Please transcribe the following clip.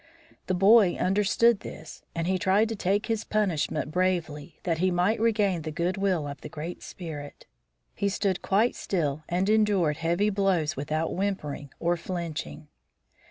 The boy understood this and he tried to take his punishment bravely that he might regain the good will of the Great Spirit. He stood quite still and endured heavy blows without whimpering or flinching.